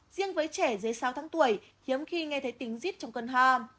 riêng với trẻ dưới sáu tháng tuổi hiếm khi nghe thấy tính dít trong cơn ho